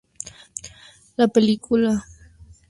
La película está protagonizada Kirsten Dunst.